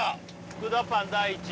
福田パン第１位